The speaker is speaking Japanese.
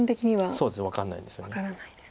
そうです分かんないんですよね。